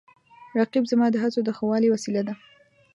رقیب زما د هڅو د ښه والي وسیله ده